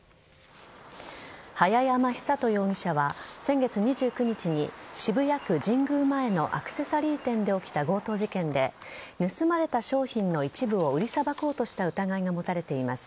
早山尚人容疑者は先月２９日に渋谷区神宮前のアクセサリー店で起きた強盗事件で盗まれた商品の一部を売りさばこうとした疑いが持たれています。